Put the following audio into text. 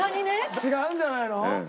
違うんじゃないの？